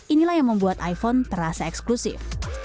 inilah yang membuat iphone terasa eksklusif